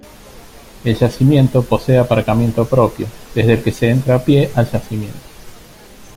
El yacimiento posee aparcamiento propio, desde el que se entra a pie al yacimiento.